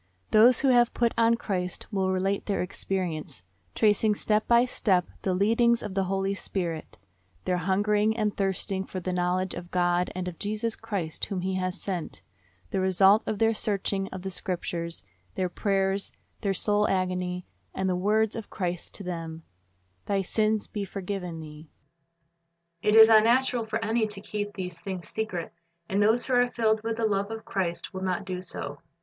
Tho.se who have put on Christ will relate their experience, tracing step by step the leadings of the Holy Spirit, — their hungering and thirsting for the knowledge of God and of Jesus Christ whom He has sent, the result of their searching of the Scriptures, their prayers, their soul agony, and the words of Christ to them, "Thy sins be forgiven thee." It is unnatural for any to keep these things .secret, and those who are filled with the love of Christ will not do so.